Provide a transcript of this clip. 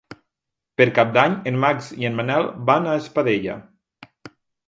Per Cap d'Any en Max i en Manel van a Espadella.